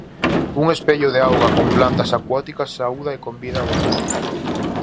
Un espello de auga con plantas acuáticas saúda e convida a volver.